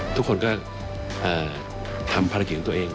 ทุกคนก็ทำภารกิจของตัวเอง